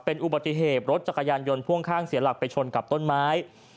เป็นอุบัติเหตุรถจักรยานยนต์พ่วงข้างเสียหลักไปชนกับต้นไม้